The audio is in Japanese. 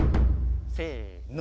せの。